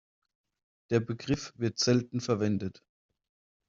Der Begriff wird selten verwendet.